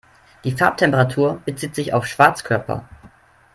Die Farbtemperatur bezieht sich auf Schwarzkörper.